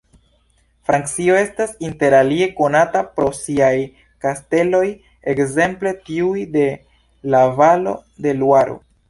Francio estas interalie konata pro siaj kasteloj, ekzemple tiuj de la valo de Luaro.